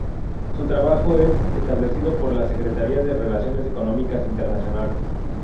Su trabajo es establecido por la Secretaría de Relaciones Económicas Internacionales.